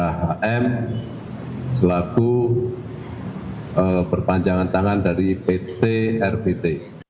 hm selaku perpanjangan tangan dari pt rbt